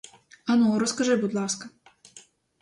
Ану, розкажи, будь ласка.